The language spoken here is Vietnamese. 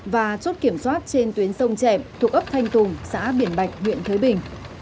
và chốt kiểm soát trên tuyến sông trẹm thuộc ấp thanh tùng xã biển bạch huyện thới bình